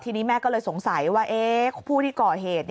ทีนี้แม่ก็เลยสงสัยว่าผู้ที่ก่อเหตุ